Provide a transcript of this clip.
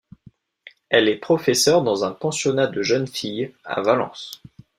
Elle est professeure dans un pensionnat de jeunes filles, à Valence.